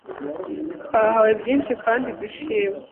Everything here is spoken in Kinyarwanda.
Twahawe byinshi kandi dushima